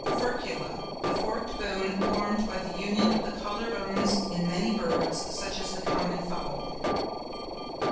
FURCULA.—The forked bone formed by the union of the collar bones in many birds, such as the common Fowl.